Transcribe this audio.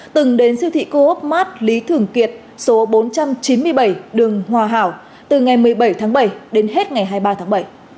từng đến siêu thị co ốc mat lý thường kiệt số bốn trăm chín mươi bảy đường hòa hảo từ ngày một mươi bảy tháng bảy đến hết ngày hai mươi ba tháng bảy